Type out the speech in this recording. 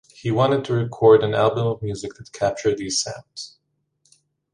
He wanted to record an album of music that captured these sounds.